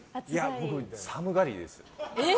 僕、寒がりです。